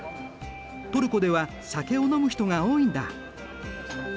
トルコでは酒を飲む人が多いんだ。